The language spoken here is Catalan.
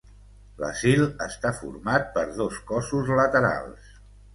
L'Asil està format per dos cossos laterals.